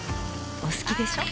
お好きでしょ。